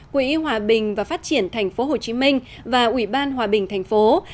quỹ hòa bình và phát triển tp hcm và ủy ban hòa bình tp hcm